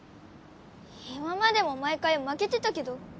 今までも毎回負けてたけど。